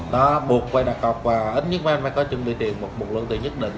đó buộc quay đặt cọc và ít nhất mấy anh phải có chuẩn bị tiền một lượng tiền nhất định